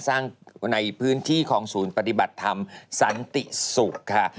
สร้างในพื้นที่ของศูนย์ปฏิบัติธรรมสันติศุกร์ค่ะ